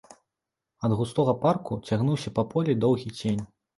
Ад густога парку цягнуўся па полі доўгі цень.